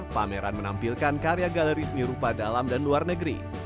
pameran menampilkan karya galeri seni rupa dalam dan luar negeri